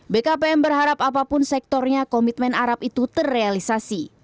bkpm berharap apapun sektornya komitmen arab itu terrealisasi